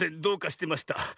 どうかしてました。